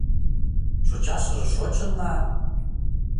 Шочашыже шочынна